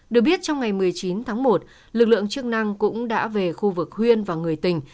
được biết trong ngày một mươi chín tháng một lực lượng chức năng cũng đã về khu vực huyên và người tình